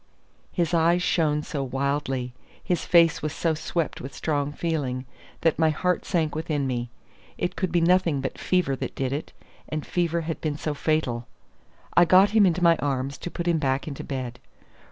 His eyes shone so wildly, his face was so swept with strong feeling, that my heart sank within me. It could be nothing but fever that did it, and fever had been so fatal. I got him into my arms to put him back into bed.